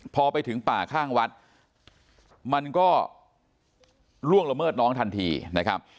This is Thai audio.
พอไปถึงป่าข้างวัดมันก็ล่วงละเมิดน้องทันทีนะครับ